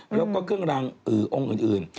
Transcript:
แล้วก็เครื่องรางองค์อื่น